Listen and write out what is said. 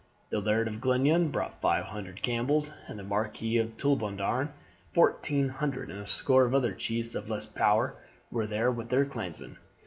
The Laird of Glenlyon brought five hundred Campbells, and the Marquis of Tullibardine fourteen hundred, and a score of other chiefs of less power were there with their clansmen.